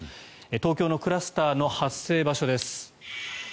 東京のクラスターの発生場所です。